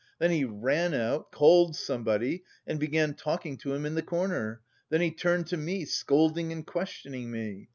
Then he ran out, called somebody and began talking to him in the corner, then he turned to me, scolding and questioning me.